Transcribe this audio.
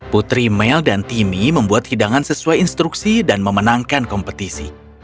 putri mel dan timmy membuat hidangan sesuai instruksi dan memenangkan kompetisi